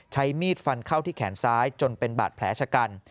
ใช้มีดฟันเข้าที่แขนซ้ายจนเป็นบาดแผลชะกัน